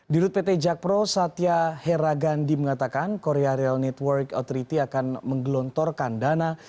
di rute pt jakpro satya heragandi mengatakan korea rail network authority akan menggelontorkan dana